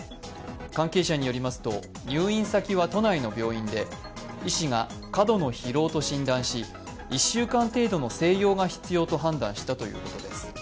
関係者によりますと入院先は都内の病院で医師が過度の疲労と診断し、１週間程度の静養が必要と判断したということです。